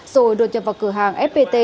rồi được nhập vào cửa hàng fpt